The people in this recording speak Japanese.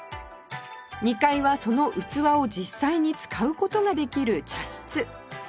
２階はその器を実際に使う事ができる茶室